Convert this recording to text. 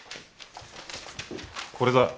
これだよ。